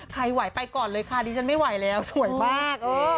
ไหวไปก่อนเลยค่ะดิฉันไม่ไหวแล้วสวยมาก